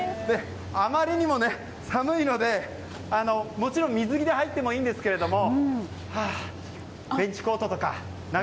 あまりにも寒いのでもちろん水着で入ってもいいんですけれども。